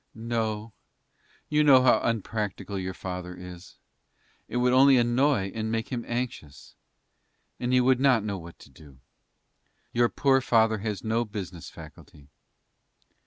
"No; you know how unpractical your father is. It would only annoy and make him anxious, and he would not know what to do. Your poor father has no business faculty."